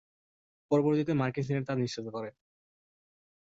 পরবর্তীতে মার্কিন সিনেট তা নিশ্চিত করে।